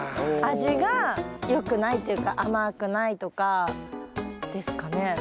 味がよくないっていうか甘くないとかですかね？